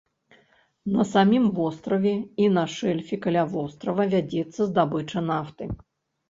На самім востраве і на шэльфе каля вострава вядзецца здабыча нафты.